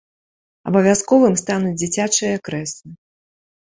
Абавязковым стануць дзіцячыя крэслы.